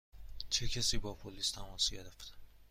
چه کسی با پلیس تماس گرفت؟